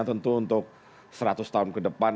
tentu untuk seratus tahun ke depan